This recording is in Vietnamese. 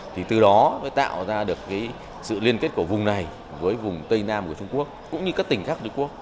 thì từ đó mới tạo ra được sự liên kết của vùng này với vùng tây nam của trung quốc cũng như các tỉnh khác trung quốc